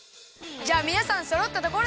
じゃあみなさんそろったところで！